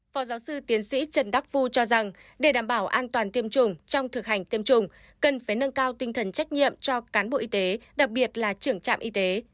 phó giáo sư tiến sĩ trần đắc phu cho rằng để đảm bảo an toàn tiêm chủng trong thực hành tiêm chủng cần phải nâng cao tinh thần trách nhiệm cho cán bộ y tế đặc biệt là trưởng trạm y tế